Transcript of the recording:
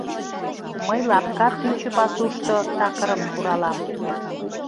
Мый лапка пӱнчӧ пасушто такырым куралам.